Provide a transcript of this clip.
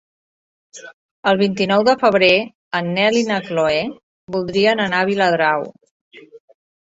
El vint-i-nou de febrer en Nel i na Chloé voldrien anar a Viladrau.